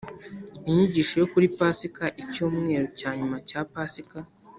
inyigisho yo kuri pasika, icyumweru cyanyuma cya pasika